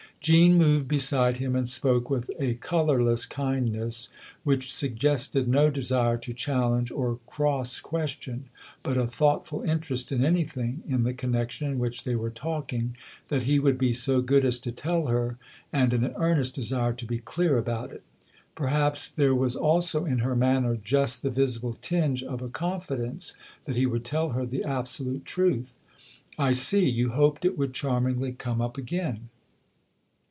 Jean moved beside him and spoke with a colourless kindness which suggested no desire to challenge or cross question, but a thoughtful interest in anything, in the connection in which they were talking, that he would be so good as to tell her and an earnest desire to be clear about it Perhaps there was also in her manner just the visible tinge of a confidence that he would tell her the absolute truth. " I see. You hoped it would charmingly come up again."